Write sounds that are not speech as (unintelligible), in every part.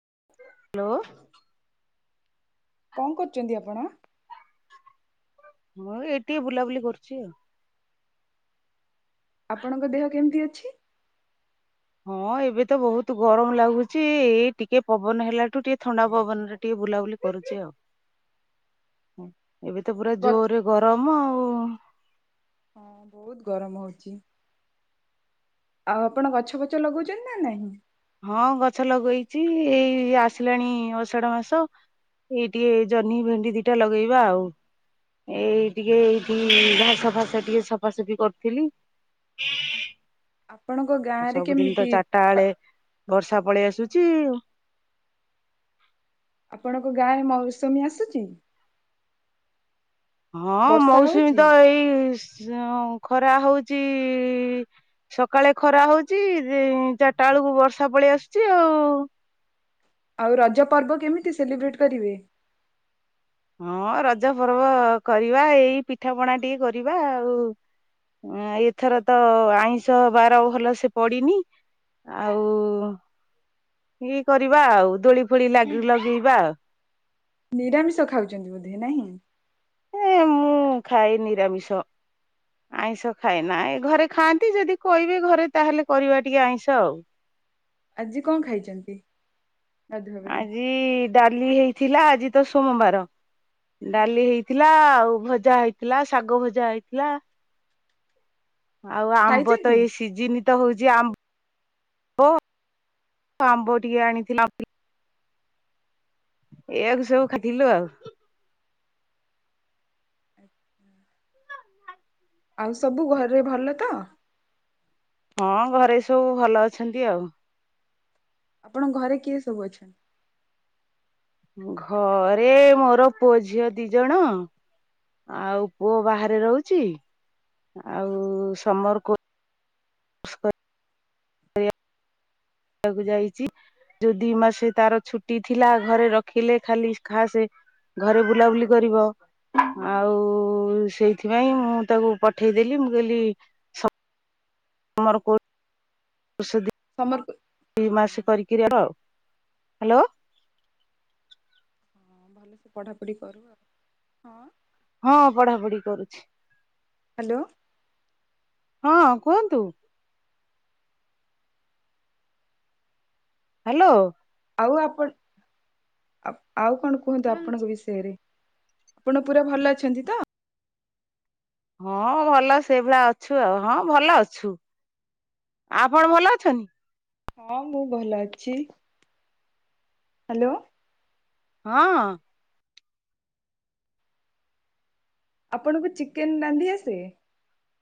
ହଁ (unintelligible) ହ୍ୟାଲୋ କଣ କରୁଛନ୍ତି ଆପଣ? ହଁ ଏ ଟିକେ ବୁଲାବୁଲି କରୁଛି ଆଉ। ଆପଣଙ୍କ ଦେହ କେମିତି ଅଛି। ହଁ ଏବେ ତ ବହୁତ ଗରମ ଲାଗୁଛି ଏଇ ଟିକେ ପବନ ହେଲାଠୁ ଟିକେ ଥଣ୍ଡା ପବନରେ ଟିକେ ବୁଲାବୁଲି କରୁଛି ଆଉ ଏବେ ତ ପୁରା ଗ ଜୋରରେ ଗରମ ଆଉ। ହଁ ବହୁତ ଗରମ ହଉଛି। ଆଉ ଆପଣ ଗଛ ଫଛ ଲଗଉଛନ୍ତି ନା ନାହିଁ। ହଁ ଗଛ ଲଗେଇଛି ଏଇ ଆସିଲାଣି ଅଷାଢ ମାସ। ଏଇ ଟିକେ ଜହ୍ନି ଭେଣ୍ଡି ଦିଟା ଲଗେଇବା ଆଉ। ଏଇ ଟିକେ ଏଇଠି ଘାସ ଫାସ ଟିକେ ସଫାସଫି କରିଥିଲି। ଆପଣଙ୍କ ଗା ଆଉ ସବୁଦିନ ତ ଚାରିଟା ବେଳେ ବର୍ଷା ପଳେଇ ଆସୁଛି ଆଉ। ଆପଣଙ୍କ ଗାଁ ରେ ମୌସୁମୀ ଆସୁଛି। ହଁ ବର୍ଷା ମୌସୁମୀ ହଉଛି? ତ ଏଇ ଶ ଖରା ହଉଛି। ସକାଳେ ଖରା ହଉଛି ଚାରିଟା ବେଳକୁ ବର୍ଷା ପଳେଇ ଆସୁଛି ଆଉ। ଆଉ ରଜ ପର୍ବ କେମିତି ସେଲିବ୍ରେଟ୍ କରିବେ। ହଁ ରଜ ପର୍ବ କରିବା ଏଇ ପିଠାପଣା ଟିକେ କରିବା ଆଉ। ଏଥର ତ ଆଇଁଶ ବାର ଭଲ ସେ ପଡିିନି। ଆଉ ଇଏ କରିବା ଆଉ ଦୋଳି ଫୋଳି ଲାଗି ଲଗେଇବା ଆଉ। ନିରାମିଷ ଖାଉଛନ୍ତି ବୋଧେ ନାହିଁ? ଏ ମୁଁ ଖାଏ ନିରାମିଷ। ଆଇଁଷ ଖାଏ ନା ଏ ଘରେ ଖାଆନ୍ତି ଯଦି କହିବେ ଘରେ ତାହେଲେ କରିବା ଟିକେ ଆଇଁଷ ଆଉ। ଆଜି କଣ ଖାଇଛନ୍ତି ଗାଧୁଆ ବେଳେ? ଜି ଡାଲି ହେଇଥିଲା ଆଜି ତ ସୋମବାର ଡାଲି ହେଇ ଥିଲା ଆଉ ଭଜା ହେଇଥିଲା ଶାଗ ଭଜା ହେଇଥିଲା। ଆଉ ଆମ୍ବ ତ ଖାଇଛନ୍ତି? ଏଇ ସି ସିଯିନି ତ ହଉଛି ଆ ମ୍ବ ଆମ୍ବ ଟିକେ ଆଣିଥିଲ। ଏଇଆକୁ ସବୁ ଖାଥିଲୁ ଆଉ। (inaudible) ଆଉ ସବୁ ଘରେ ଭଲ ତ? ହଁ ଘରେ ସବୁ ଭଲ ଅଛନ୍ତି ଆଉ ଆପଣଙ୍କ ଘରେ କିଏ ସବୁ ଅଛନ୍ତି? ଘରେ ମୋର ପୁଅ ଝିଅ ଦି ଜଣ। ଆଉ ପୁଅ ବାହାରେ ରହୁଛି ଆଉ ସମର କ କ (unintelligible) କୁ ଯାଇଛି ଯଉ ଦି ମାସେ ତାର ଛୁଟି ଥିଲା ଘରେ ରଖିଲେ ଖାଲି ଖାସେ ଘରେ ବୁଲାବୁଲି କରିବ। ଆଉ ସେଇଥିପାଇଁ ହଁ ମୁଁ ତାକୁ ପଠେଇଦେଲି ମୁଁ କହିଲି ଆମର କ ଷ ସମର ହଁ ଦଇ ମାସ କରିକି ଆଉ ହ୍ୟାଲୋ। ହଁ ଭଲସେ ପଢ଼ାପଢ଼ି କରୁ ଆଉ ହଁ। ହଁ ପଢାପଢି କରୁଛି। ହ୍ୟାଲୋ। ହଁ କୁହନ୍ତୁ। ହ୍ୟାଲୋ। ଆଉ ଆପଣ ଆଉ କଣ କୁହନ୍ତୁ ଆପଣଙ୍କ ବିଷୟରେ। ଆପଣ ପୁରା ଭଲ ଅଛନ୍ତି ତ? ହଁ ଭଲ ସେଇ ଭଳିଆ ଅଛୁ ଆଉ ହଁ ଭଲ ଅଛୁ। ଆପଣ ଭଲ ଅଛନ୍ତି? ହଁ ମୁଁ ଭଲ ଅଛି। ହ୍ୟାଲୋ। ହଁ। ଆପଣଙ୍କୁ ଚିକେନ ରାନ୍ଧି ଆସେ?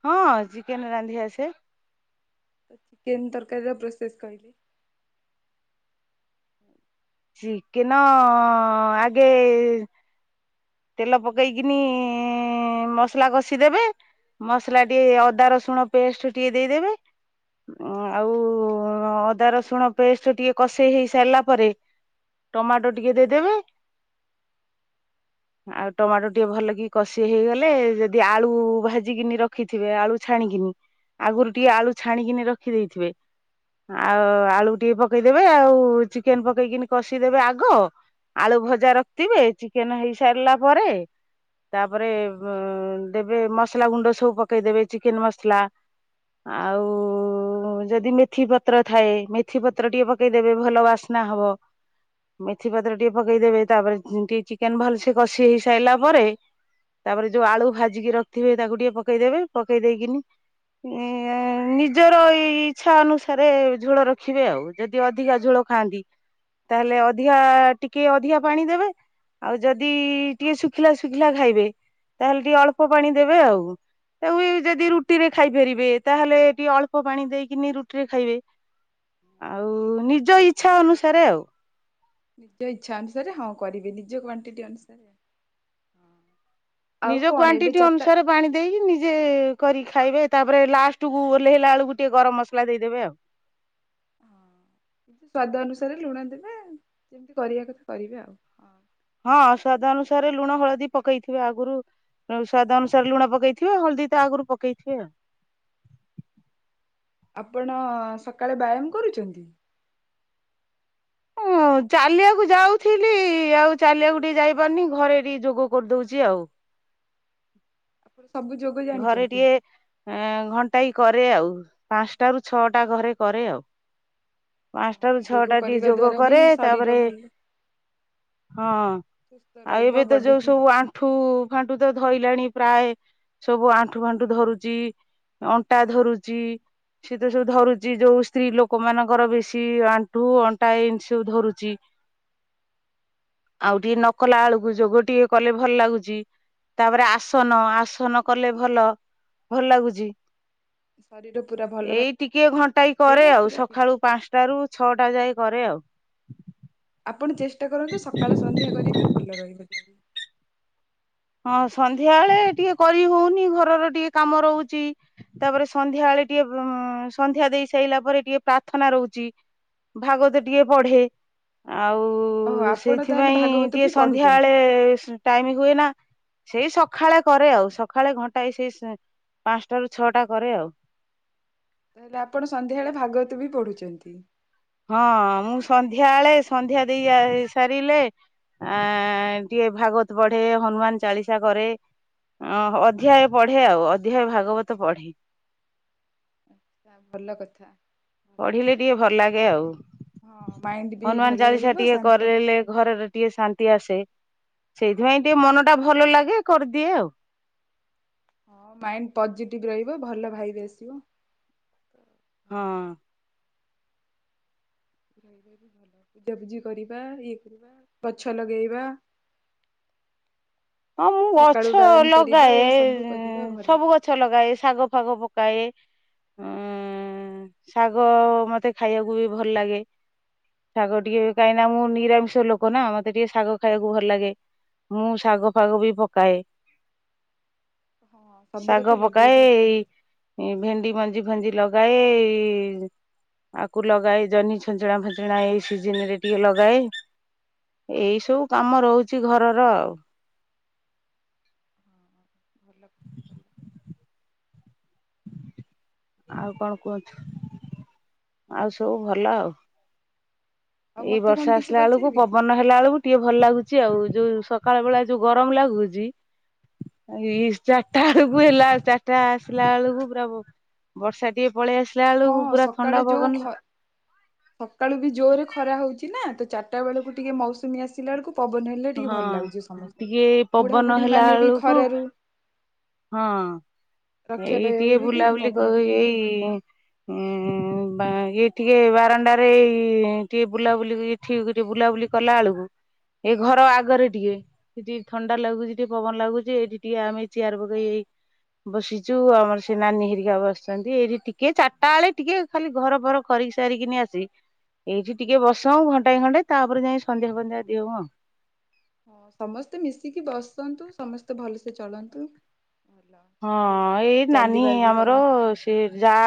ହଁ ଚିକେନ ରାନ୍ଧି ଆସେ। ତ ଚିକେନ ତରକାରୀର ପ୍ରୋସେସ୍ କହିଲେ। ଚିକେନ ଆଗେ ତେଲ ପକେଇକିନି ମସଲା କଷିଦେବେ ମସଲା ଟିକେ ଅଦା ରସୁଣ ପେଷ୍ଟ ଟିକେ ଦେଇଦେବେ। ଆଉ ଅଦା ରସୁଣ ପେଷ୍ଟ ଟିକେ କଷେଇ ହେଇ ସାରିଲା ପରେ ଟମାଟୋ ଟିକେ ଦେଇଦେବେ। ଆଉ ଟମାଟୋ ଟିକେ ଭଲ କି କଷି ହେଇଗଲେ ଯଦି ଆଳୁ ଭାଜିିକିନି ରଖିଥିବେ ଆଳୁ ଛାଣିକିନି। ଆଗରୁ ଟିକେ ଆଳୁ ଛାଣିକିନି ରଖିଦେଇଥିବେ। ଆଉ ଆଳୁ ଟିକେ ପକେଇଦେବେ ଆଉ ଚିକେନ ପକେଇକିନି କଷିଦେବେ ଆଗ। ଆଳୁ ଭଜା ରଖିଥିବେ ଚିକେନ ହେଇ ସାରିଲା ପରେ। ତାପରେ ଦେବେ ମସଲା ଗୁଣ୍ଡ ସବୁ ପକେଇଦବେ ଚିକେନ ମସଲା। ଆଉ ଯଦି ମେଥି ପତ୍ର ଥାଏ ମେଥି ପତ୍ର ଟିକେ ପ ପେକେଇଦେବେ ଭଲ ବାସ୍ନା ହବ ମେଥି ପତ୍ର ଟିକେ ପକେଇଦେବେ ତାପରେ ଟିକେ ଚିକେନ ଭଲ ସେ ସେ କଷି ହେଇ ସାରିଲା ପରେ ତାପରେ ଯୋଉ ଆଳୁ ଭାଜିକି ରଖିଥିବେ ତାକୁ ଟିକେ ପକେଇଦେବେ ପକେଇ ଦେଇକିନି ନିଜର ଏଇ ଇଚ୍ଛା ଅନୁସାରେ ଝୋଳ ରଖିବେ ଆଉ ଯଦି ଅଧିକା ଝୋଳ ଖାଆନ୍ତି ତାହେଲେ ଅଧିକା ଟିକେ ଅଧିକା ପାଣି ଦେବେ। ଆଉ ଯଦି ଟିକେ ଶୁଖିଲା ଶୁଖିଲା ଖାଇବେ ତାହେଲେ ଟିକେ ଅଳ୍ପ ପାଣି ଦେବେ ଆଉ। ତାକୁ ଯଦି ରୁଟିରେ ଖାଇପାରିବେ ତାହେଲେ ଟିକେ ଅଳ୍ପ ପାଣି ଦେଇକିନି ରୁଟିରେ ଖାଇବେ। ଆଉ ନିଜ ଇଚ୍ଛା ଅନୁସାରେ ଆଉ। ନିଜ ଇଚ୍ଛା ଅନୁସାରେ ହଁ କରିବେ ନିଜ କ୍ୱଣ୍ଟିଟି ଅନୁସାରେ। ଆଉ ନିଜ କଣ ଏବେ କ୍ଵାଣ୍ଟିଟି ଚାରିଟା ଅନୁସାରେ ପାଣି ଦେଇକି ନିଜେ କରିି ଖାଇବେ ତାପରେ ଲାଷ୍ଟକୁୁ ଓହ୍ଲେଇଲାବେଳକୁ ଟିକେ ଗରମ ମସଲା ଦେଇଦେବେ ଆଉ। କିନ୍ତୁ ସ୍ଵାଦ ଅନୁସାରେ ଲୁଣ ଦେବେ ଯେମିତି କରିବା କଥା କରିବେ ଆଉ। ହଁ ହଁ ସ୍ୱାଦ ଅନୁସାରେ ଲୁଣ ହଳଦୀ ପକେଇଥିବେ ଆଗରୁ। ସ୍ୱାଦ ଅନୁସାରେ ଲୁଣ ପକେଇଥିବ ହଳଦୀ ତ ଆଗରୁ ପକେଇଥିବ ଆଉ। ଆପଣ ସକାଳେ ବ୍ୟାୟାମ କରୁଛନ୍ତି? ହଁ ଚାଲିବାକୁ ଯାଉଥିଲି ଆଉ ଚାଲିବାକୁ ଟିକେ ଯାଇପାରୁନି ଘରେ ଟିକେ ଯୋଗ କରିଦଉଛି ଆଉ। ସବୁ ଯୋଗ ଘରେ ଜାଣିଛନ୍ତି? ଟିକେ ଘଣ୍ଟାଏ କରେ ଆଉ ପାଞ୍ଚଟା ରୁ ଛଅଟା ଘରେ କରେ ଆଉ। ହଁ, ପାଞ୍ଚଟା ର ଯୋଗ ଛଅଟା ଟିକେ କରିବା ଯୋଗ ଦ୍ଵାରା ବି କରେ ଶରୀର ତାପରେ ଭଲ ହଁ ସୁସ୍ଥ ଆଉ ରହିବ ଏବେ ତ ବଡି ଯୋଉ ଠିକ ସବୁ ଆ ଣ୍ଠୁ ଫାଣ୍ଠୁ ତ ଧଇଲାଣି ପ୍ରାୟ ସବୁ ଆଣ୍ଠୁ ଫାଣ୍ଠୁ, ଧରୁଚି ଅଣ୍ଟା ଧରୁଚି। ସେ ତ ସବୁ ଧରୁଚି ଯୋଉ ସ୍ତ୍ରୀ ଲୋକ ମାନଙ୍କର ବେଶୀ ଆଣ୍ଠୁ ଅଣ୍ଟା ଏମିତି ସବୁ ଧରୁଚି। ଆଉ ଟିକେ ନକଲା ଆଳକୁ ଯୋଗ ଟିକେ କଲେ ଭଲ ଲାଗୁଚି। ତାପରେ ଆସନ ଆସନ କଲେ ଭଲ ଭଲ ଲାଗୁଛି। ଶରୀର ପୁରା ଭଲ ଏଇ ଟିକେ ଘଣ୍ଟାାଏ କରେ ରହିବ ଆଉ ପୁରା ସକାଳୁ ପାଞ୍ଚ ଟା ରୁ ଛଅଟା ଯାଏ କରେ ଆଉ। ଆପଣ ଚେଷ୍ଟା କରନ୍ତୁ ସକାଳ ସନ୍ଧ୍ୟା କରିବେ ଭଲ ରହିବ ଦେହ। ହଁ ସନ୍ଧ୍ୟା ବଳେ ଟିକେ କରି ହଉନି ଘରର ଟିକେ କାମ ରହୁଛି। ତାପରେ ସନ୍ଧ୍ୟା ବେଳେ ଟିକେ ଉ ସନ୍ଧ୍ୟାଦେଇ ସାଇଲା ପରେ ଟିକେ ପ୍ରାର୍ଥନା ରହୁଛି। ଭାଗବତ ଟିକେ ପଢେ। ଆଉ ଓ ଓହୋ ଆପଣ ତାହେଲେ ସେଇଥିପାଇଁ ଭାଗବତ ଟିକେ ବି ପଢୁଛନ୍ତି। ସନ୍ଧ୍ୟାବେଳେ ଟାଇମ ହୁଏନା। ସେଇ ସକାଳେ କରେ ଆଉ ସକାଳେ ଘଣ୍ଟାଏ ସେଇ ପାଞ୍ଚଟା ର ଛଅଟା କରେ ଆଉ। ତାହେଲେ ଆପଣ ସନ୍ଧ୍ୟାବେଳେ ଭାଗବତ ବି ପଢୁଛନ୍ତି? ହଁ ମୁଁ ସନ୍ଧ୍ୟା ଆଳେ ସନ୍ଧ୍ୟା ଦେଇ ସାରିଲେ ଆ ଟିକେ ଭାଗବତ ପଢେ, ହନୁମାନ ଚାଳିଶା କରେ। ଓ ଅଧ୍ୟାୟ ପଢେ ଆଉ ଅଧ୍ୟାୟ ଭାଗବତ ପଢେ। ଭଲ କଥା। ପଢିଲେ ଟିକେ ଭଲ ଲାଗେ ଆଉ ହଁ ମାଇଣ୍ଡ ବି ଭଲ ହନୁମାନ ଚାଳିଶା ରହିବ ଟିକେ ଶାନ୍ତ କରି କରିଲେ ଘରେରେ ଟିକେ ଶାନ୍ତି ଆସେ ସେଇଥିପାଇଁ ଟିକେ ମନ ଟା ଭଲ ଲାଗେ କରିଦିଏ ଆଉ। ହଁ ମାଇଣ୍ଡ ପଜିଟିଭ ରହିବ ଭଲ ଭାଇଵ୍ ଆସିବ। ଭଲ ହଁ। (unintelligible) ପୂଜାପୂଜି କରିବା, ଇଏ କରିବା ଗଛ ଲଗେଇବା। ହଁ ମୁଁ ସକାଳୁ ଗଛ ବ୍ୟାୟାମ କରିବା ଏ ଲଗାଏ ସବୁ କରିବା ଭଲ। ସବୁ ଗଛ ଗଛ ଲଗାଏ ଶାଗ ଫାଗ ପକାଏ। ଉ ଶାଗ ମତେ ଖାଇବାକୁ ବି ଭଲ ଲାଗେ। ଶାଗ ଟିକେ କାହିଁକ ନା ମୁଁ ନିରାମିଷ ଲୋକ ନା ମତେ ଟିକେ ଶାଗ ଖାଇବାକୁ ଭଲ ଲାଗେ। ମୁଁ ଶାଗ ଫାଗ ବି ପକାଏ। ହଁ ସବୁ କଥା ଶାଗ ପକାଏ ଲଗେଇବା ଭଲ ଏଇ ଏ ଭେଣ୍ଡି ମଞ୍ଜି ଫଞ୍ଜି ଲଗାଏ। ଆକୁ ଲଗାଏ ଜହ୍ନି ଛଞ୍ଚଣା ଫାଞ୍ଚଣା ଏଇ ସିଜନ ରେ ଟିକେ ଲଗାଏ। ଏଇ ସବୁ କାମ ରହୁଛି ଘରର ଆଉ। (inaudible) ଆଉ କଣ କୁହନ୍ତୁ। ଆଉ ସବୁ ଭଲ ଆଉ। ଆଉ ଏଇ ମତେ କଣ ବର୍ଷା କିଛି ଆସିଲା ବେଳକୁ ପଚାରିବେ କି? ପବନ ହେଲା ବେଳକୁ ଟିକେ ଭଲ ଲାଗୁଛି ଆଉ ଯୋଉ ସକାଳ ବେଳା ଯୋଉ ଗରମ ଲାଗୁଚି ଏଇ ଚାରିଟା ବେଳକୁ ହେଲା ଚାରିଟା ଆସିଲା ବେଳକୁ ପ୍ରଭୁ ବର୍ଷା ଟିକେ ପଳେଇ ଆସ୍ ହଁ ସକାଳେ ଯୋଉ ଖ ସକାଳୁ ବି ଜୋରରେ ଖରା ହଉଚି ନା ତ ଚାରିଟା ବେଳକୁ ଟିକେ ମୌସୁମୀ ଆସିଲା ବେଳକୁ ପବନ ହେଲେ ଟିକେ ଭଲ ହଁ ଲାଗୁଛି ଟିକେ ସମସ୍ତଙ୍କୁ ପବନ ବୁଢ଼ାାବୁଢ଼ୀ ହେଲା ମାନେ ବି ବେଳକୁ ଖରାରୁ ହଁ ରକ୍ଷା ଏଇ ପାଇବା ଟିକେ ବି ବୁଲାବୁଲି ପବନ ଟିକେ ହେଲେ ଭଲ। ଏଇ ଉଁ ଇଏ ଟିକେ ବାରଣ୍ଡାରେ ଏଇ ଟିକେ କ ବୁଲାବୁଲି କଲା ବେଳକୁ ଏ ଘର ଆଗରେ ଟିକେ। ସେଠି ଥଣ୍ଡାଲାଗୁଛି, ଟିକେ ପବନଲାଗୁଛି, ଏଠି ଟିକେ ଆମେ ଚିଆର ପକେଇକି ବସିଚୁ ଆମର ସେ ନାନୀ ହେରିକା ବସିଛନ୍ତି ଏଠି ଟିକେ ଚାରିଟା ବେଳେ ଟିକେ ଖାଲି ଘରଫର ଖରିକି ସାରିକିନି ଆସି ଏଇଠି ଟିକେ ବସଉଁ ଘଣ୍ଟାଏ ଘଣ୍ଟଓ ତାପରେ ଯାଇ ସନ୍ଧ୍ୟା ସନ୍ଧ୍ୟା ଦିଅ ହଉ ଆଉ। ହଁ ସମସ୍ତେ ମିଶିକି ବସନ୍ତୁ। ସମସ୍ତେ ଭଲସେ ଚଳନ୍ତୁ ଭଲ ସକାଳୁ ହଁ ଏଇ ନାନୀ ଚାଲିବା ବି ଆମର କରନ୍ତୁ। ସେ ଯା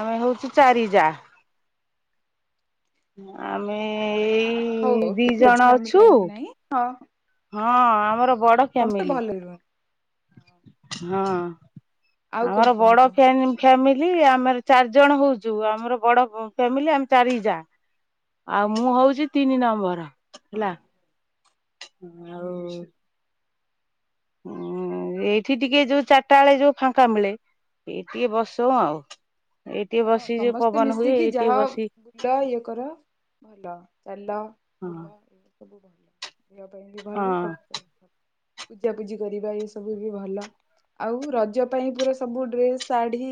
ଆମେ ହଉଚୁ ଚାରି ଯା। ଆମେ ଏଇ ଦି ଜଣ ଅଛୁ ହଁ ଆମର ବଡ ଫ୍ୟାମିଲି (unintelligible) ହଁ ଆଉ କଣ ଆମର ବଡ କୁହନ୍ତୁ? ଫ୍ୟାମି ଫ୍ୟାମିଲି ଆମର ଚାରି ଜଣ ହଉଛୁ ଆମର ବଡ ଫ୍ୟାମିଲି ଆମେ ଚାରି ଯା ଆଉ ମୁଁ ହଉଛି ତିନି ନମ୍ବର ହେଲା ଆଉ ହଁ ଏଇଠି ଟିକେ ଯୋଉ ଚାରିଟା ବେଳେ ଯୋଉ ଫାଙ୍କା ମିଳେ ଏ ଟିକେ ବସୁ ଆଉ ଏଇ ଟିକେ ହଁ ବସି ଯୋଉ ସମସ୍ତେ ପବନ ହୁଏ ମିଶିକି ଏଇ ଟିକେ ଯାହା ବସି ବୁଲ ଇଏ କର ଭଲ ଚାଲ ବୁଲ ହଁ ଏ ସବୁ ଭଲ ଯିବା ପାଇଁ ବି ଭଲ ସବୁ ହଁ ଭଲ ପୂଜାପୂଜି କରିବା ଏ ସବୁ ବି ଭଲ ଆଉ ରଜ ପାଇଁ ପୁରା ସବୁ ଡ୍ରେସ ଶାଢୀ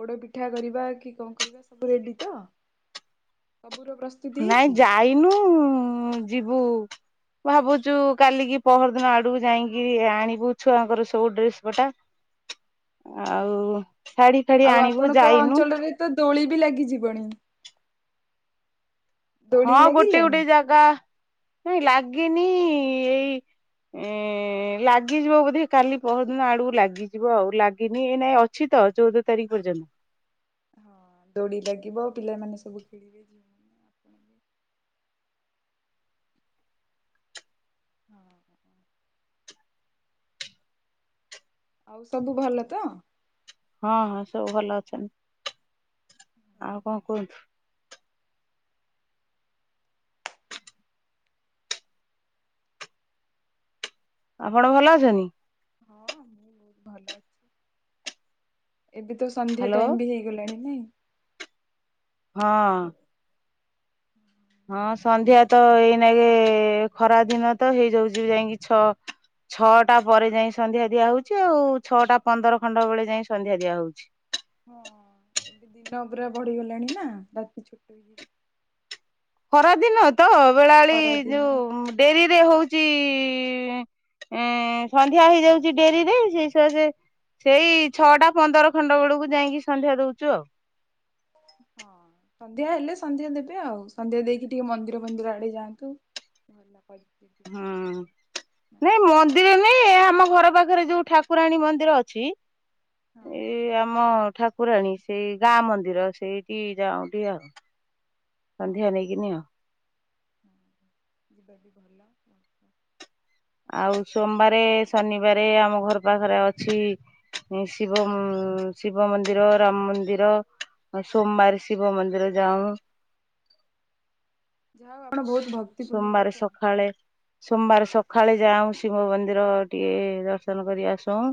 ପୋଡପି ମିଠା କରିବା କି କଣ କରିବା ସବୁ ରେଡି ତ ସବୁର ପ୍ରଶ୍ନ ନାଇଁ ଯାଇନୁ ଯିବୁ ଭାବୁଛୁ କାଲିକି ପହର ଦିନ ଆଡକୁ ଯାଇକି ଆଣିବୁ ଛୁଆଙ୍କର ସବୁ ଡ୍ରେସ୍ ପଟା ଆଉ ଶାଢୀ ଫାଢୀ ଆଉ ଆଣିବୁ ଆପଣଙ୍କ ଯାଇନୁ ଅଞ୍ଚଳରେ ତ ଦୋଳି ବି ଲାଗିଯିବଣି? ହଁ ଦୋଳି ଗୋଟେ ଲାଗିଲାଣି ଗୋଟେ ଜାଗା ରେ ଲାଗିନି ଏଇ ଏ ଲାଗିଯିବ ବୋଧେ କାଲି ପହରଦିନ ଆଡକୁ ଲାଗିଯିବ ଆଉ ଲାଗିନି ଏ ନାଇଁ ଅଛି ତ ଚଉଦ ତାରିଖ ପର୍ଯ୍ୟନ୍ତ। ହଁ। ଦୋଡ଼ି ଲାଗିବ ଆ ପିଲାମାନେେ ସବୁ ଖେଳିବେ ଯ ହଁଁ। ଆଉ ସବୁ ଭଲ ତ? ହଁ ହଁ ସବୁ ଭଲ ଅଛନ୍ତି ଆଉ କଣ କୁହନ୍ତୁ? ଆପଣ ଭଲ ଅଛନ୍ତି? ହଁ ମୁଁ ବହୁତ ଭଲ ଅଛି ଏବେ ତ ସନ୍ଧ୍ୟା ହ୍ୟାଲୋ ଟାଇମ ବି ହେଇ ଗଲାଣି ନାଇଁ ହଁ ହଁ ସନ୍ଧ୍ୟା ତ ଏଇ ସନ୍ଧ୍ୟା ବି ନ ଖରା ଦିଆହବ ଦିନ ତ ହେଇଯାଉଛି ଯାଇକି ଛଅ ଛଅଟା ପରେ ଯାଇ ସନ୍ଧ୍ୟା ଦିଆ ହଉଛି ଆଉ ଛଅଟା ପନ୍ଦର ଖଣ୍ଡ ବେଳେ ଯାଇଏ ସନ୍ଧ୍ୟା ଦିଆ ହଉଚି। ହଁ ଏବେ ଦିନ ପୁରା ବଢିଗଲାଣି ନା ରାତି ଛୋଟ ହେଇ ଖରାଦିନ ତ ବେଳାବେଳି ଖରା ଦିନ ହଁ ଯୋଉ ଡେରିରେ ହଉଚି ସନ୍ଧ୍ୟା ହେଇଯାଉଛି ଡେରିରେ ସେଇସକାଶେ ସେଇ ଛଅଟା ପନ୍ଦର ଖଣ୍ଡ ବେଳକୁ ଯାଇଂକି ସନ୍ଧ୍ୟା ଦଉଛୁ ଆଉ। ହଁ। ସନ୍ଧ୍ୟା ହେଲେ ସନ୍ଧ୍ୟା ଦେବେ ଆଉ ସନ୍ଧ୍ୟା ଦେଇକି ଟିକେ ମନ୍ଦିର ଫଂନ୍ଦିର ଆଡେ ଯାଆନ୍ତୁ ଭଲ ନା କ (inaudible) ହଁ ନାଇଁ ମ ତିନି ଆମ ଘର ପାଖରେ ଯୋଉ ଠାକୁରାଣୀ ମନ୍ଦିର ଅଛି ହଁ ଏଇ ଆମ ଠାକୁ କୁରାଣୀ ସେଇ ଗାଁ ମନ୍ଦିର ସେଇଠି ଯାଅ ଦିଅ ସନ୍ଧ୍ୟା ନେଇକି ନିଅ। ହୁଁ ଯିବା ବି ଭଲ (inaudible) ଆଉ ସୋମବାରେ ଶନିବାରେ ଆମ ଘର ପାଖରେ ଅଛି ଶିବ ଶିବ ମନ୍ଦିର ରାମ ମନ୍ଦିର ଆ ସୋମବାର ଶିବ ମନ୍ଦିର ଯାଉ ଯାହା ହଉ ଆପଣ ବହୁତ ଭକ୍ତିପୂର୍ଣ୍ଣ ସୋମବାର ଲୋକ। ସକାଳେ ସୋମବାର ସକାଳେ ଯାଉ ଶିବ ମନ୍ଦିର ଟିକେ ଦର୍ଶନ କରି ଆସଉଁ।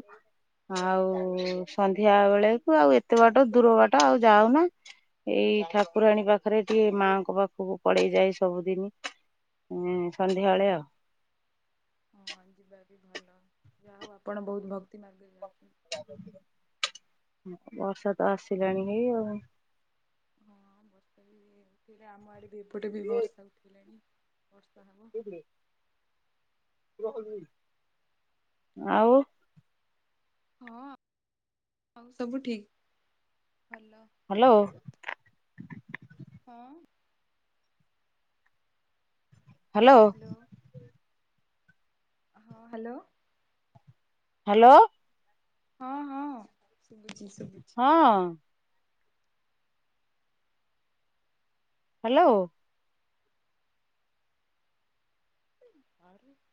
ଆଉ ସନ୍ଧ୍ୟା ବେଳକୁ ଆଉ ଏତେ ବାଟ ଦୂର ବାଟ ଆଉ ଯାଉନା। ଏଇ ଠାକୁରାଣୀ ପାଖରେ ଟିକେ ମାଙ୍କ ପାଖକୁ ପଲେଇ ଯାଇ ସବୁଦିନ ସନ୍ଧ୍ୟାବେଳେ ଆଉ। ହଁ ଯିବା ବି ଭଲ ଯାହା ହଉ ଆପଣ ବହୁତ ଭକ୍ତି ମାର୍ଗ ରେ ଯାଉଛନ୍ତି। ବର୍ଷା ତ ଆସିଲାଣି ହେଇ ଆଉ। ହଁ ବର୍ଷା ବି ଥିଲା ଆମ ଆଡ଼େ ବି ଏପଟେ ବି ବର୍ଷାକୁ ଉଠିଲାଣି ବର୍ଷା ହେବ। (inaudible) ଆଉ ହଁ ଆଉ ସବୁ ଠିକ୍ ଭଲ। ହାଲୋ। ହଁ। ହାଲୋ। ହାଲୋ। ହଁ ହାଲୋ। ହାଲୋ। ହଁ-ହଁ ଶୁଭୁଚି-ଶୁଭୁଚି। ହଁ। ହାଲୋ। (inaudible)